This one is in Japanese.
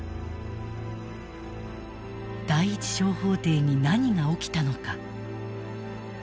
第一小法廷に何が起きたのか。